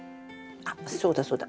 あっそうだそうだ。